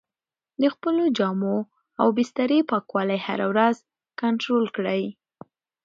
د خپلو جامو او بسترې پاکوالی هره ورځ کنټرول کړئ.